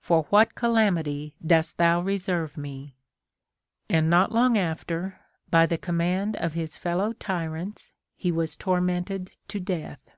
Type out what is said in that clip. for what calamity dost thou reserve mel And not long after, by the command of his fellow tyrants, he was tormented to death.